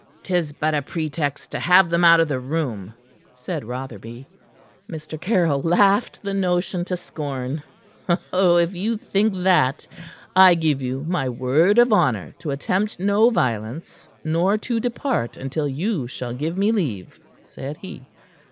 "'Tis but a pretext to have them out of the room," said Rotherby. Mr. Caryll laughed the notion to scorn. "If you think that I give you my word of honor to attempt no violence, nor to depart until you shall give me leave," said he.